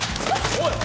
おい！